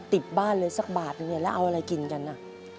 ติบบ้านเลยสักบาทแล้วเอาอะไรกินกันน่ะ